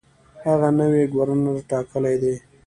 هغه نوی ګورنر ټاکلی دی.